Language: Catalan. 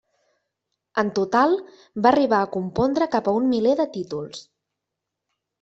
En total va arribar a compondre cap a un miler de títols.